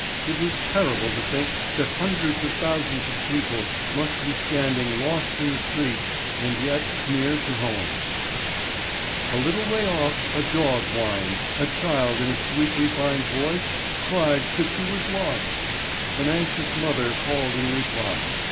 It was terrible to think that hundreds of thousands of people must be standing lost in the streets and yet near to home. A little way off a dog whined, a child in a sweet refined voice cried that she was lost. An anxious mother called in reply.